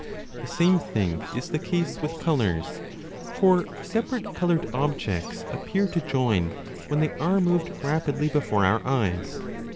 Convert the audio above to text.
The same thing is the case with colours ; for separate coloured objects appear 40 to join, when they are moved rapidly before our eyes.